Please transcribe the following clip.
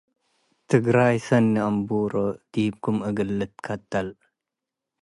ትግራይ ሰኒ አምብሮ - ዲብኩም እግል ልትከተል